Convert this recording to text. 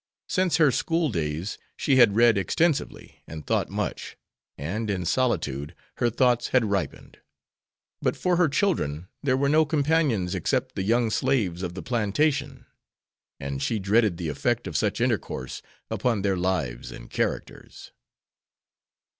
Since her school days she had read extensively and thought much, and in solitude her thoughts had ripened. But for her children there were no companions except the young slaves of the plantation, and she dreaded the effect of such intercourse upon their lives and characters.